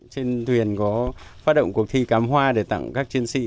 trên thuyền có phát động cuộc thi cắm hoa để tặng các chiến sĩ